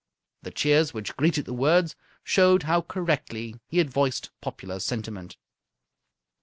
The cheers which greeted the words showed how correctly he had voiced popular sentiment.